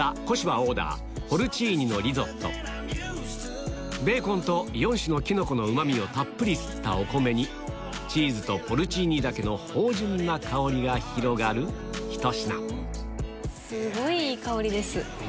オーダーベーコンと４種のキノコのうま味をたっぷり吸ったお米にチーズとポルチーニ茸の芳醇な香りが広がるひと品すごいいい香りです。